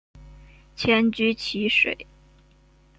迁居蕲水。